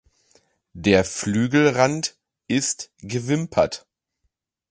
Der Flügelrand ist gewimpert.